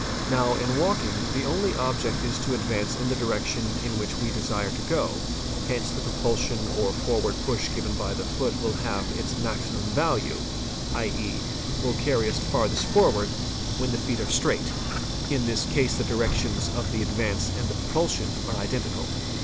Now in walking, the only object is to advance in the direction in which we desire to go; hence the propulsion or forward push given by the foot will have its maztimum value, 7.e., will carry us farthest forward, when the feet are straight; in this case the directions of the advance and the propulsion are identical.